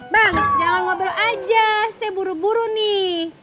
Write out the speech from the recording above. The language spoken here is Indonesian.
bang jangan ngobrol aja saya buru buru nih